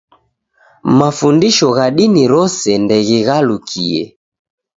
Mafundisho gha dini rose ndeghighalukie.